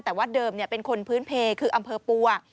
แต่ว่าเดิมเป็นคนพื้นเพลคืออำเภอปัว